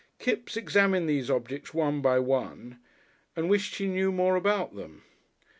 Kipps examined these objects one by one and wished he knew more about them.